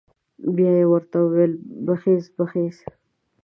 بيا یې ورته وويل بخېز بخېز.